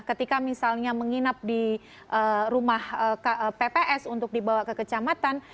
ketika misalnya menginap di rumah pps untuk dibawa ke kecamatan